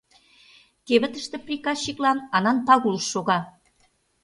Кевытыште приказчиклан Анан Пагул шога.